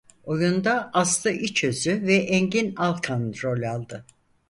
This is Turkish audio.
Oyunda Aslı İçözü ve Engin Alkan rol aldı.